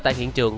tại hiện trường